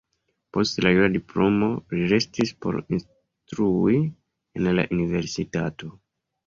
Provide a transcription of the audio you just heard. Post la jura diplomo li restis por instrui en la universitato.